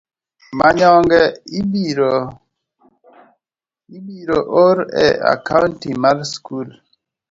manyonge ibiro or e akaunt mar skul.